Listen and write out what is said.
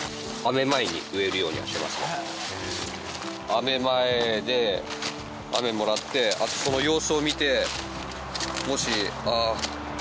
雨前で雨もらってあそこの様子を見てもし「あっ元気ないな」